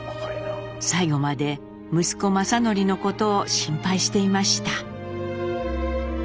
最後まで息子正順のことを心配していました。